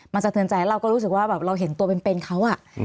มันสะเทือนใจแล้วเราก็รู้สึกว่าแบบเราเห็นตัวเป็นเขาอะ